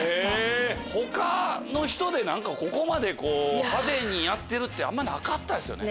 他の人で何かここまで派手にやってるってあんまなかったですよね？